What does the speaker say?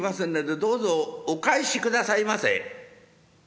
どうぞお返しくださいませ」。